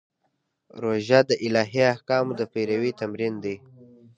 روژه د الهي احکامو د پیروي تمرین دی.